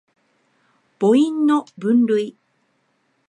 母音の分類